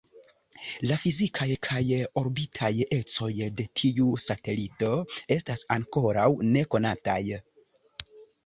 La fizikaj kaj orbitaj ecoj de tiu satelito estas ankoraŭ nekonataj.